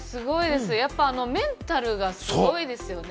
メンタルがすごいですよね。